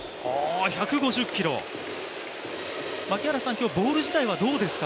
今日、ボール自体はどうですか？